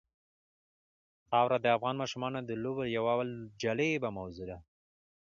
خاوره د افغان ماشومانو د لوبو یوه جالبه موضوع ده.